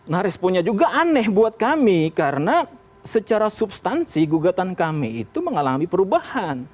nah responnya juga aneh buat kami karena secara substansi gugatan kami itu mengalami perubahan